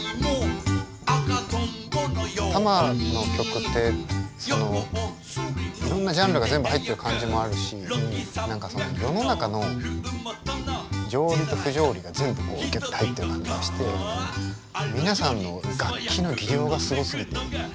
たまの曲っていろんなジャンルが全部入ってる感じもあるし何かその世の中の条理と不条理が全部ギュッと入ってる感じがして皆さんの楽器の技量がすごすぎて。